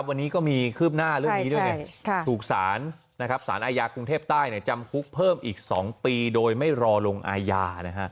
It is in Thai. วันนี้ก็มีคืบหน้าเรื่องนี้ด้วยไงถูกสารสารอาญากรุงเทพใต้จำคุกเพิ่มอีก๒ปีโดยไม่รอลงอาญานะฮะ